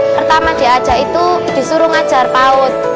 pertama diajak itu disuruh ngajar paut